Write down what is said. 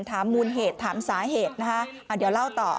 มูลเหตุถามสาเหตุนะคะเดี๋ยวเล่าต่อ